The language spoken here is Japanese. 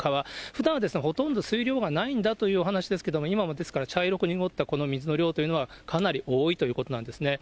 ふだんはほとんど水量がないんだというお話ですけれども、今もですから茶色く濁ったこの水の量というのはかなり多いということなんですね。